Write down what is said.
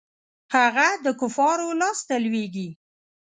هغه د کفارو لاسته لویږي.